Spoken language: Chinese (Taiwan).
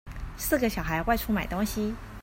四個小孩外出買東西